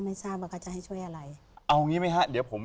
เป็นคุณอุ้มอิม